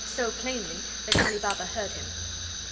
(1) so plainly that Ali Baba heard him.